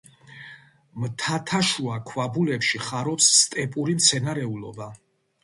მთათაშუა ქვაბულებში ხარობს სტეპური მცენარეულობა.